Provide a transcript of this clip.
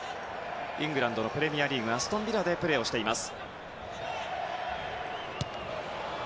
イングランド・プレミアリーグのアストン・ビラでプレーしています。